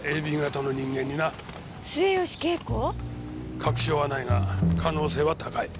確証はないが可能性は高い。